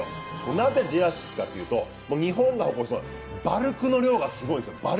なぜジュラシックかというと日本が誇るバルクの量がすごいんですよ。